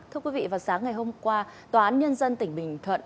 thưa quý vị vào sáng ngày hôm qua tòa án nhân dân tỉnh bình thuận